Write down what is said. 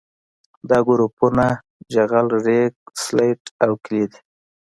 دا ګروپونه جغل ریګ سلټ او کلې دي